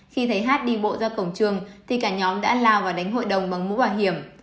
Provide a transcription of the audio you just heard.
khi thấy hát đi bộ ra cổng trường thì cả nhóm đã lao vào đánh hội đồng bằng mũ bảo hiểm